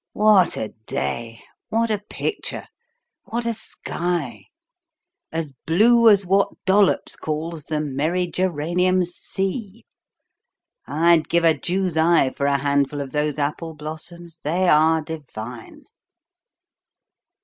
What a day! What a picture! What a sky! As blue as what Dollops calls the 'Merry Geranium Sea.' I'd give a Jew's eye for a handful of those apple blossoms they are divine!"